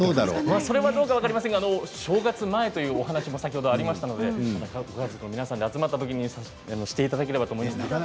それはどうか分かりませんが正月前いうお話もありましたのでご家族皆さんで集まったときにしていただければと思います。